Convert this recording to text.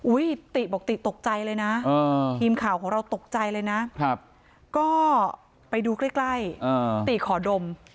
ติบอกติตกใจเลยนะทีมข่าวของเราตกใจเลยนะก็ไปดูใกล้ติขอดม